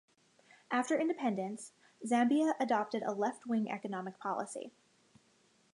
After independence Zambia adopted a left-wing economic policy.